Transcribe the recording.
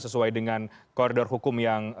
sesuai dengan koridor hukum yang